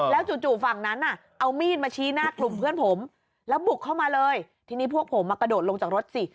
จู่ฝั่งนั้นน่ะเอามีดมาชี้หน้ากลุ่มเพื่อนผมแล้วบุกเข้ามาเลยทีนี้พวกผมมากระโดดลงจากรถสิ